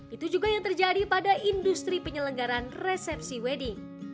itu juga yang terjadi pada industri penyelenggaran resepsi wedding